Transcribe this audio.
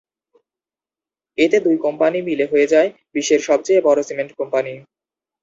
এতে দুই কোম্পানি মিলে হয়ে যায় বিশ্বের সবচেয়ে বড় সিমেন্ট কোম্পানি।